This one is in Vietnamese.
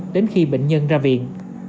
đến khi bệnh nhân ra viện